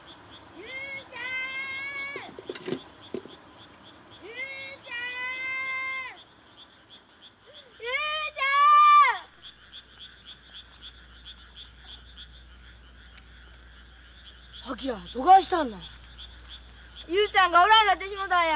雄ちゃんがおらんようになってしもたんや。